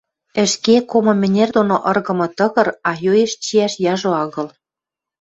Ӹшке комы мӹнер доно ыргымы тыгыр айоэш чиӓш яжо агыл